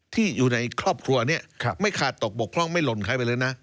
ที่อยู่ในครอบครัวนี้ไม่ขาดตกบกพร่องไม่หล่นใครไปเลยนะ